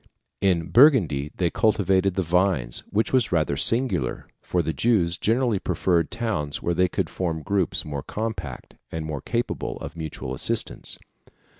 In Burgundy they cultivated the vines, which was rather singular, for the Jews generally preferred towns where they could form groups more compact, and more capable of mutual assistance.